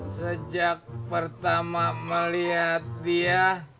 sejak pertama melihat dia